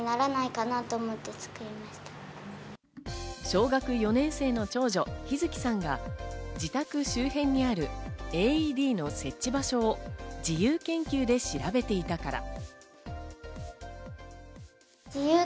小学４年生の長女・陽月さんが自宅周辺にあるＡＥＤの設置場所を自由研究で調べていたから。